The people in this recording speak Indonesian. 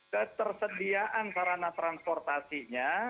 ketersediaan sarana transportasinya